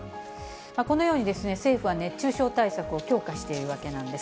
このように、政府は熱中症対策を強化しているわけなんです。